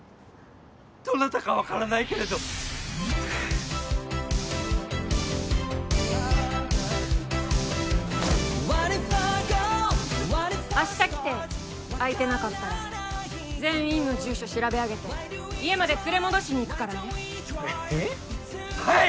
どなたか分からないけれど明日来て開いてなかったら全員の住所調べ上げて家まで連れ戻しに行くからねはい！